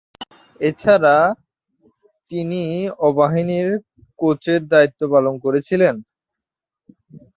এছাড়া তিনি আবাহনীর কোচের দায়িত্বও পালন করছিলেন।